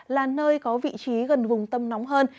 là nơi có vị trí gần vùng tâm nóng hơn